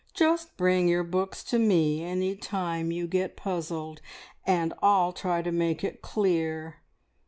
"Just bring your books to me any time you get puzzled, and I'll try to make it clear.